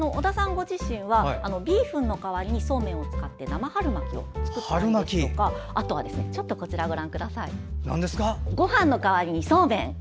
ご自身はビーフンの代わりにそうめんを使って生春巻きを作ったりですとかあとはごはんの代わりにそうめん。